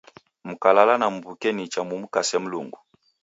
Mkalala na mw'uke nicha , mumkase Mlungu